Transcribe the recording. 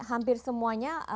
jadi hampir semuanya